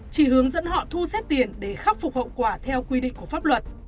chỉ hướng dẫn họ thu xếp tiền để khắc phục hậu quả theo quy định của pháp luật